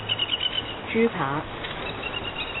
豬扒